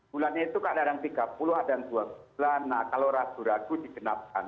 bulan itu keadaan yang tiga puluh dan bulan kalau rasu ragu digenapkan